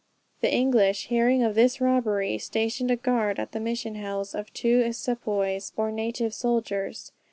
The English, hearing of this robbery, stationed a guard at the Mission house of two sepoys or native soldiers.